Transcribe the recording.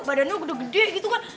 badannya udah gede gitu kan